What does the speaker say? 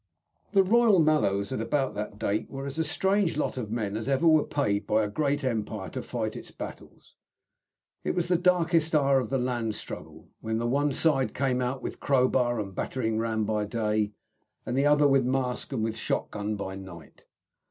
The Royal Mallows, at about that date, were as strange a lot of men as ever were paid by a great empire to fight its battles. It was the darkest hour of the land struggle, when the one side came out with crow bar and battering ram by day, and the other with mask and with shot gun by night.